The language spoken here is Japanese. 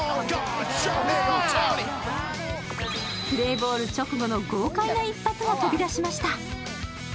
プレーボール直後の豪快な一発が飛び出しました。